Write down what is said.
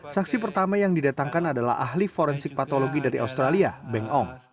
saksi pertama yang didatangkan adalah ahli forensik patologi dari australia beng om